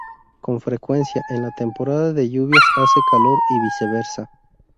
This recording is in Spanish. Con frecuencia, en la temporada de lluvias hace calor, y viceversa.